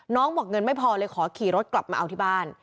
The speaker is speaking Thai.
บอกเงินไม่พอเลยขอขี่รถกลับมาเอาที่บ้าน